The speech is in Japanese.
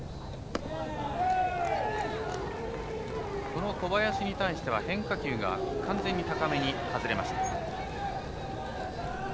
この小林に対しては変化球が完全に高めに外れました。